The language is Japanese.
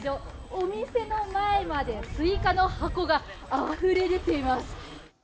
お店の前までスイカの箱があふれ出ています。